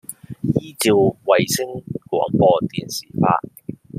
依照衛星廣播電視法